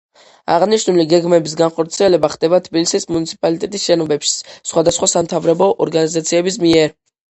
აღნიშნული გეგმების განხორციელება ხდება თბილისის მუნიციპალიტეტის შენობებში სხვადასხვა სამთავრობო ორგანიზაციების მიერ.